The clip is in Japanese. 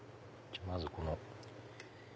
まずこの。